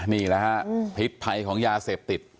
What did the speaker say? นี่แหละฮะพิษภัยของยาเสพติด